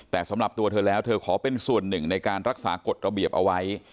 แต่สำหรับตัวเธอแล้วเธอขอเป็นส่วนหนึ่งในการรักษากฎระเบียบเอาไว้